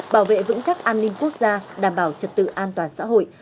bảo vệ vững chắc an ninh quốc gia đảm bảo trật tự an toàn xã hội